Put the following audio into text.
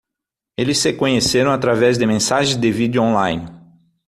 Eles se conheceram através de mensagens de vídeo on-line.